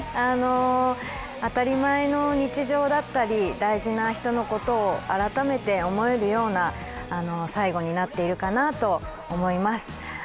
当たり前の日常だったり、大事な人のことを改めて思えるような最後になっているかなと思います。